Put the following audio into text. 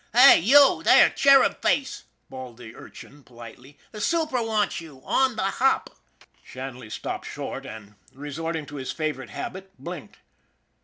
" Hi, you, there, cherub face !" bawled the urchin politely. :< The super wants you on the hop !" Shanley stopped short, and, resorting to his favorite habit, blinked.